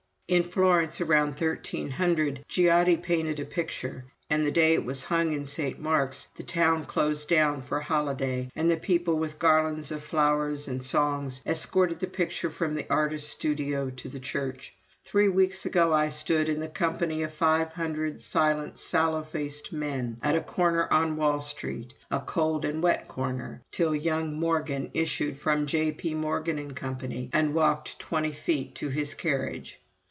"In Florence, around 1300, Giotto painted a picture, and the day it was to be hung in St. Mark's, the town closed down for a holiday, and the people, with garlands of flowers and songs, escorted the picture from the artist's studio to the church. Three weeks ago I stood, in company with 500 silent, sallow faced men, at a corner on Wall Street, a cold and wet corner, till young Morgan issued from J.P. Morgan & Company, and walked 20 feet to his carriage.